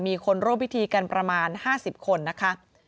มีคนร่วมพิธีกันประมาณ๕๐คนนะคะ